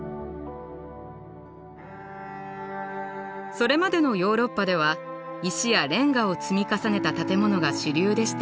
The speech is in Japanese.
それまでのヨーロッパでは石やレンガを積み重ねた建物が主流でした。